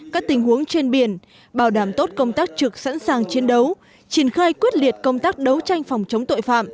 các tình huống trên biển bảo đảm tốt công tác trực sẵn sàng chiến đấu triển khai quyết liệt công tác đấu tranh phòng chống tội phạm